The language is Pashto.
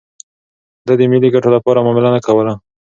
ده د ملي ګټو لپاره معامله نه کوله.